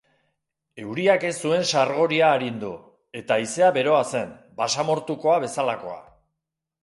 Euriak ez zuen sargoria arindu, eta haizea beroa zen, basamortukoa bezalakoa.